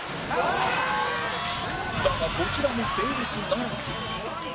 だがこちらも成立ならず